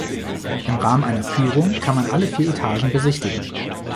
Im Rahmen einer Führung kann man alle vier Etagen besichtigen.